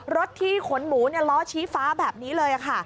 ลดที่ขนหมูเนี่ยล้อชี้ฟ้าแบบนี้เลย้ค่ะ